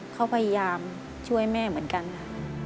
เขาพยายามช่วยแม่เหมือนกันค่ะ